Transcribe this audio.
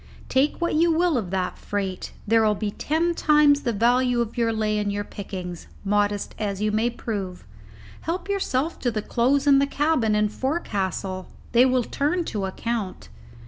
Take what you will of that freight; there'll be ten times the value of your lay in your pickings, modest as you may prove. Help yourself to the clothes in the cabin and forecastle; they will turn to account.